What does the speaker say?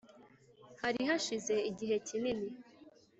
hari hashize igihe kinini.